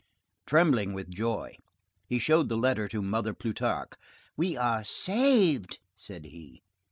Trembling with joy, he showed the letter to Mother Plutarque. "We are saved!" said he.